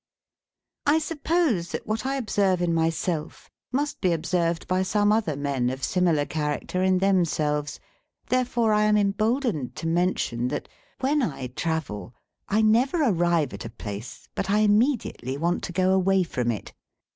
I suppose that what I observe in myself must be observed by some other men of similar character in themselves; therefore I am emboldened to mention, that, when I travel, I never arrive at a place but I immediately want to go away from it.